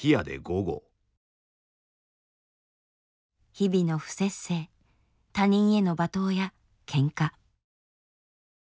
日々の不摂生他人への罵倒やケンカ。